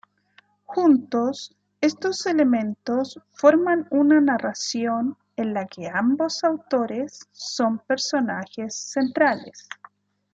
Juntos, estos elementos forman una narración en la que ambos autores son personajes centrales.